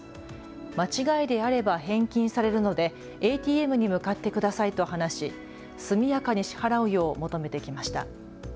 間違いであれば返金されるのでＡＴＭに向かってくださいと話し速やかに支払うよう求めてきました。